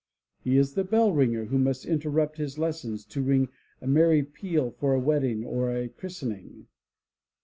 He is the bell ringer who must interrupt his lessons to ring a merry peal for a wedding or a christening.